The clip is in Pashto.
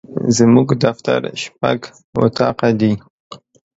زموږ دفتر شپږ اطاقه دي.